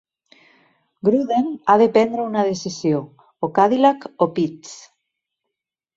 Gruden ha de prendre una decisió, o Cadillac o pits.